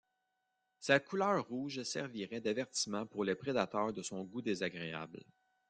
Sa couleur rouge servirait d'avertissement pour les prédateurs de son goût désagréable.